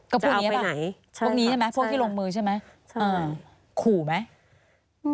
ก็พวกนี้หรือเปล่าพวกนี้ใช่ไหมพวกที่ลงมือใช่ไหมขู่ไหมใช่ค่ะใช่ค่ะ